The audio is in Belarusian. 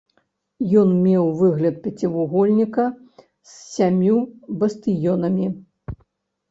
Ён меў выгляд пяцівугольніка з сямю бастыёнамі.